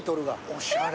おしゃれ。